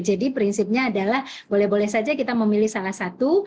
jadi prinsipnya adalah boleh boleh saja kita memilih salah satu